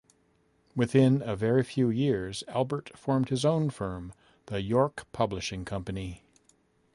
Within a very few years Albert formed his own firm, The York Publishing Company.